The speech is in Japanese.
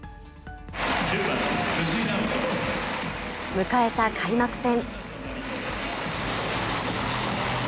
迎えた開幕戦。